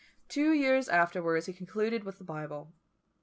Two years afterwards he concluded with the Bible.